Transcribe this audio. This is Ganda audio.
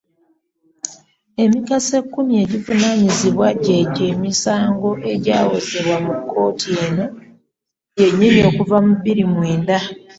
Emisango ekkumi egivunaanibwa gy’egyo emisango egyawozebwa mu kkooti eno yennyini okuva mu bbiri mwenda.